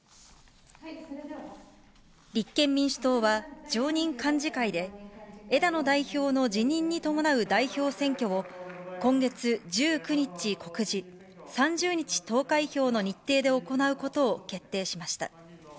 立憲民主党は常任幹事会で、枝野代表の辞任に伴う代表選挙を、今月１９日告示、３０日投開票の日程で行うことを決定しました。